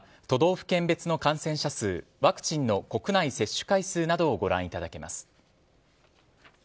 都道府県別の感染者数ワクチンの国内接種回数などをご覧いただけます。